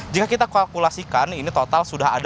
jika kita kalkulasikan ini total sudah ada lima puluh empat